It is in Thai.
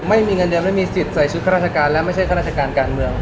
ไม่มีเงินเดือนไม่มีสิทธิ์ใส่ชุดข้าราชการและไม่ใช่ข้าราชการการเมือง